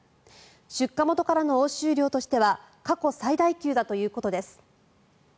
出荷元からの押収量としては過去最大級だということです。